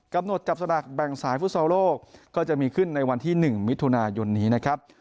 กำหนดจับสลากแบ่งสายฟุตซอลโลกก็จะมีขึ้นในวันที่๑มิถุนายนนี้นะครับ